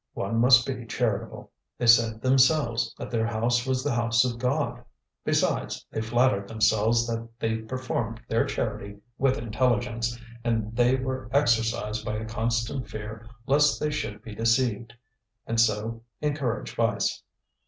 One must be charitable. They said themselves that their house was the house of God. Besides, they flattered themselves that they performed their charity with intelligence, and they were exercised by a constant fear lest they should be deceived, and so encourage vice.